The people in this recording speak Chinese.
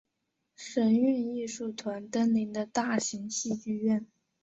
神韵艺术团登临的大型戏剧院。